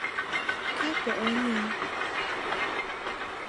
کات بۆ ئەوە نییە.